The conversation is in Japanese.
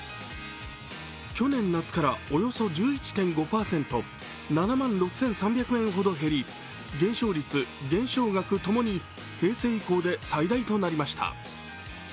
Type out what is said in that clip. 去年夏からおよそ１１．５％、７万６３００円ほど減り、減少率、減少額ともに平成以降で最大となりました。